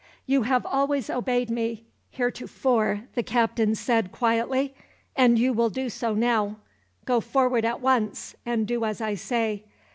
"You have always obeyed me heretofore," the captain said, quietly, "and you will do so now. Go forward at once, and do as I say.